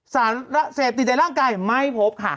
สารเสพติดในร่างกายไม่พบค่ะ